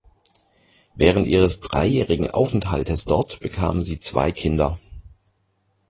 Während ihres dreijährigen Aufenthaltes dort bekamen sie zwei Kinder.